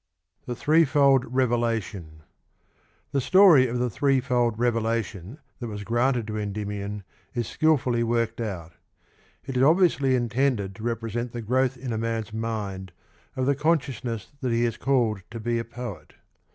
The story of the three fold revelation that was The thrcc fow ■' revelation. granted to Endymion is skilfully worked out. It is obviously intended to represent the growth in a man's* ^V mind of the consciousness that he is called to be a poet.